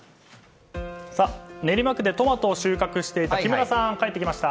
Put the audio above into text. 練馬区でトマトを収穫していた木村さん、帰ってきました。